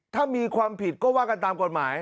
ถ้ามีความผิดก็ว่ากันตามกฎหมาย